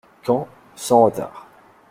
—Quand ? —Sans retard.